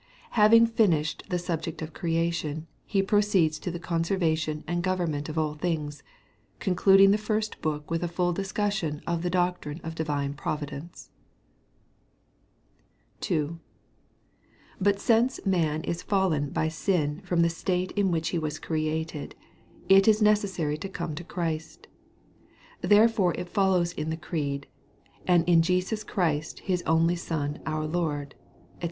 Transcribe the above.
Having finished the subject of creation, he proceeds to the conservation and government of all things, concluding the first book with a full discussion of the doctrine of divine providence. II. But since man is fallen by sin from the state in which he was created, it is necessary to come to Christ. Therefore it follows in the Creed, "And in Jesus Christ, his only Son our Lord," &c.